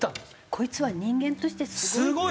こいつは人間としてすごい。